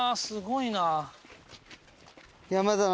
すごいな。